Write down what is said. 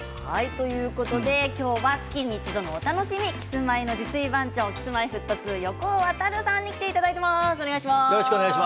今日は月に一度のお楽しみキスマイの自炊番長Ｋｉｓ−Ｍｙ−Ｆｔ２の横尾渉さんに来ていただいています。